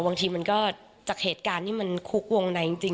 บางทีมันก็จากเหตุการณ์ที่มันคุกวงในจริง